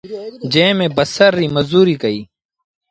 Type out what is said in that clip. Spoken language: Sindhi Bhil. جݩهݩ ميݩ بسر ريٚ مزوريٚ ڪئيٚ۔